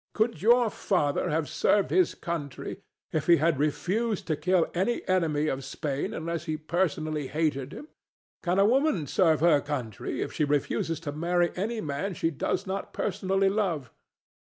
Could your father have served his country if he had refused to kill any enemy of Spain unless he personally hated him? Can a woman serve her country if she refuses to marry any man she does not personally love?